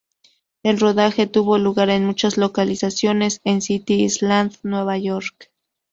El rodaje tuvo lugar en muchas localizaciones en City Island, Nueva York.